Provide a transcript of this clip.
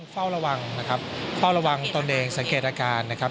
เฝ้าระวังนะครับเฝ้าระวังตนเองสังเกตอาการนะครับ